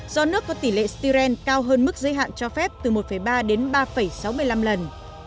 do nước có tỷ lệ styren cao hơn mức giới hạn cho phép từ một ba đến ba sáu mươi năm lần